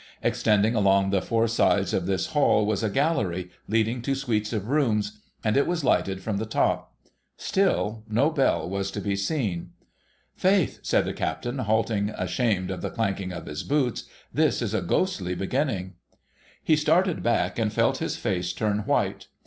Extending along the four sides of this hall was a gallery, leading to suites of rooms ; and it was lighted from the top. Still no bell was to be seen. ' Faith,' said the Captain halting, ashamed of the clanking of his boots, ' this is a ghostly beginning 1 ' He started back, and felt his face turn white.